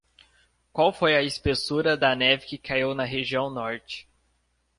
Qual foi a espessura da neve que caiu na região norte?